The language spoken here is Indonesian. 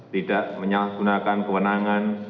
tidak menyalahgunakan kewenangan